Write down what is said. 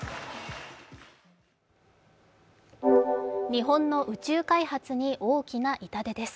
日本の宇宙開発に大きな痛手です。